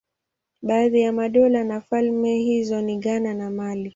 Baadhi ya madola na falme hizo ni Ghana na Mali.